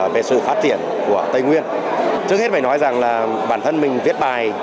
về sự phát triển của tây nguyên trước hết phải nói rằng là bản thân mình viết bài